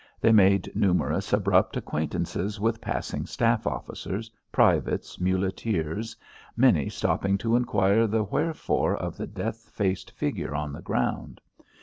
They made numerous abrupt acquaintances with passing staff officers, privates, muleteers, many stopping to inquire the wherefore of the death faced figure on the ground.